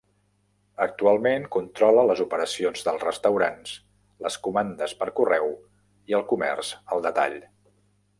Actualment, controla les operacions dels restaurants, les comandes per correu i el comerç al detall.